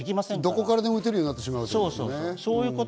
どこからも撃てるようになってしまいますからね。